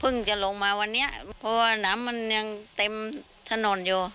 จะลงมาวันนี้เพราะว่าน้ำมันยังเต็มถนนอยู่